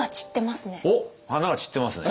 花が散ってますね。